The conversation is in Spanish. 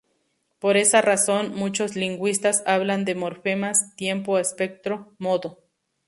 Por esa razón, muchos lingüistas hablan de morfemas tiempo-aspecto-modo.